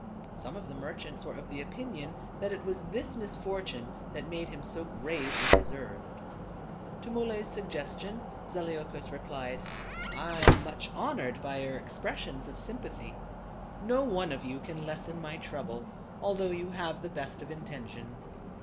Some of the merchants were of the opinion that it was this misfortune that made him so grave and reserved. To Muley's suggestion Zaleukos replied : "I am much honored by your expressions of sympathy. No one of you can lessen my trouble, although you have the best of intentions.